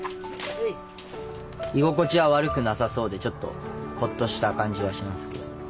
居心地は悪くなさそうでちょっとほっとした感じはしますけど。